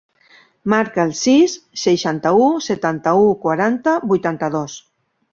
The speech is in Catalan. Marca el sis, seixanta-u, setanta-u, quaranta, vuitanta-dos.